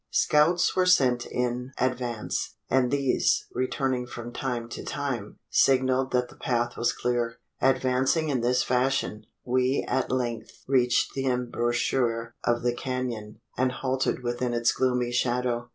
Scouts were sent in advance; and these, returning from time to time, signalled that the path was clear. Advancing in this fashion, we at length reached the embouchure of the canon, and halted within its gloomy shadow.